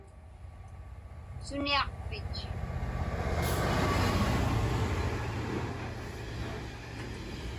Suniaqpich?